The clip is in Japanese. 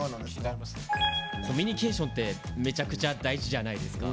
コミュニケーションってめちゃくちゃ大事じゃないですか。